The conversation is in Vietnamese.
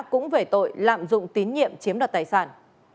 cũng về tội lạm dụng tín nhiệm chiếm đoạt tài sản